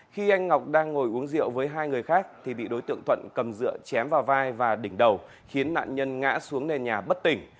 khi anh ngọc đang ngồi uống rượu với hai người khác thì bị đối tượng thuận cầm dựa chém vào vai và đỉnh đầu khiến nạn nhân ngã xuống nền nhà bất tỉnh